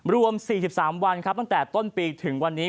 รวม๔๓วันครับตั้งแต่ต้นปีถึงวันนี้